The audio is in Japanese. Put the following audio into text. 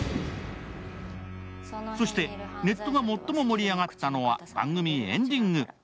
そして、ネットが最も盛り上がったのは番組エンディング。